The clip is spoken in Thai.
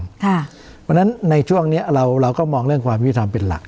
เพราะฉะนั้นในช่วงนี้เราก็มองเรื่องความยุติธรรมเป็นหลัก